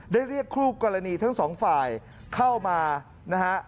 เรียกคู่กรณีทั้งสองฝ่ายเข้ามานะฮะ